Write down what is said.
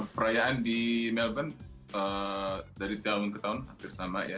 perayaan di melbourne dari tahun ke tahun hampir sama ya